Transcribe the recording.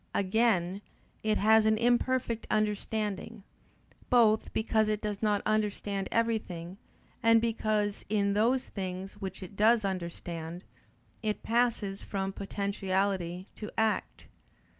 Again it has an imperfect understanding; both because it does not understand everything, and because, in those things which it does understand, it passes from potentiality to act.